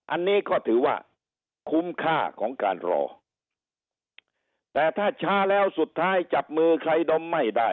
อันนี้ก็ถือว่าคุ้มค่าของการรอแต่ถ้าช้าแล้วสุดท้ายจับมือใครดมไม่ได้